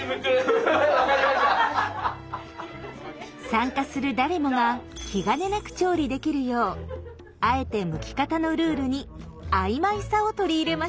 参加する誰もが気兼ねなく調理できるようあえてむき方のルールにあいまいさを取り入れました。